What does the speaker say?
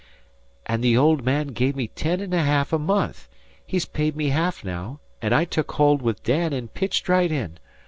"And the old man gave me ten and a half a month; he's paid me half now; and I took hold with Dan and pitched right in.